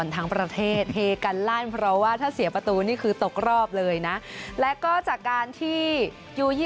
จังหวะนั้นผมก็ไม่ได้คิดอะไรก็คือ